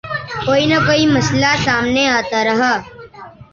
کوئی نہ کوئی مسئلہ سامنے آتا رہا۔